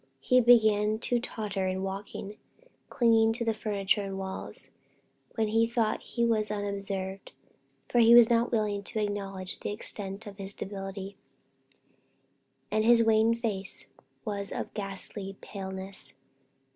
He began to totter in walking, clinging to the furniture and walls, when he thought he was unobserved (for he was not willing to acknowledge the extent of his debility), and his wan face was of a ghastly paleness.